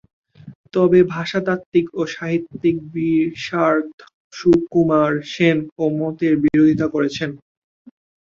তবে, ভাষাতাত্ত্বিক ও সাহিত্য বিশারদ সুকুমার সেন এই মতের বিরোধীতা করেছেন।